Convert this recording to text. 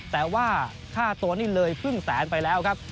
แต่ว่าค่าตัวนี่เลยครึ่งแสนไปแล้วครับ